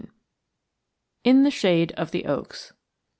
XIII. IN THE SHADE OF THE OAKS.